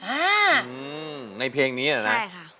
อืมในเพลงนี้เหรอนะใช่ค่ะ